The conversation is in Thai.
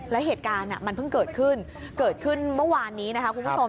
และเหตุการณ์มันเพิ่งเกิดขึ้นเมื่อวานนี้นะครับคุณผู้ชม